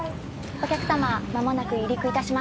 お客様まもなく離陸致しますが。